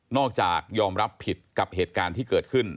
จากยอมรับผิดกับเหตุการณ์ที่เกิดขึ้น